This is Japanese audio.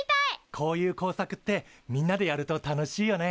こういう工作ってみんなでやると楽しいよね。